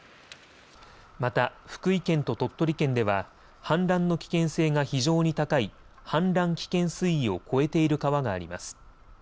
また福井県と鳥取県では氾濫の危険性が非常に高い氾濫危険水位を超えている川があります。